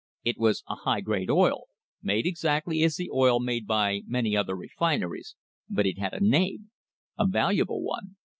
It was a high grade oil, made exactly as the oil made by many other refineries, but it had a name a valuable one.